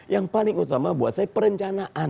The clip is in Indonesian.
yang paling utama buat saya perencanaan